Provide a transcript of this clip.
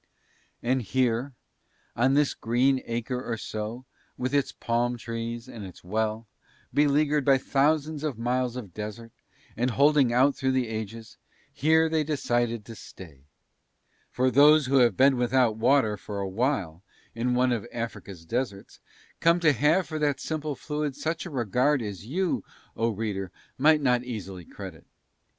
And here, on this green acre or so with its palm trees and its well, beleaguered by thousands of miles of desert and holding out through the ages, here they decided to stay: for those who have been without water for a while in one of Africa's deserts come to have for that simple fluid such a regard as you, O reader, might not easily credit.